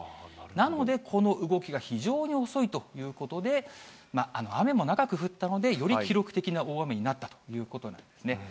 なので、この動きが非常に遅いということで、雨も長く降ったので、より記録的な大雨になったということなんですね。